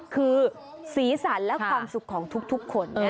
คือสีสันและความสุขของทุกคน